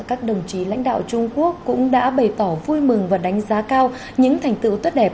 các đồng chí lãnh đạo trung quốc cũng đã bày tỏ vui mừng và đánh giá cao những thành tựu tốt đẹp